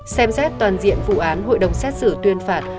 xem xét toàn diện vụ án hội đồng xét xử tuyên phạt